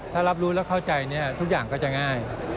ถ้ารับรู้แล้วเข้าใจทุกอย่างก็จะง่าย